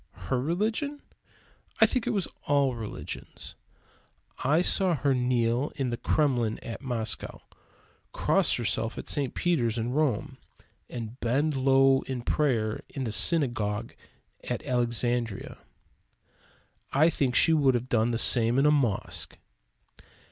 Her religion? I think it was all religions. I saw her kneel in the Kremlin at Moscow, cross herself in St. Peter's at Rome, and bend low at prayer in the Synagogue at Alexandria. I think she would have done the same in a mosque.